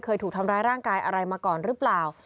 เกิดร่างกายอะไรมาก่อนหรือเปล่า